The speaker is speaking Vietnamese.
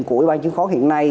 của bàn chứng khoán hiện nay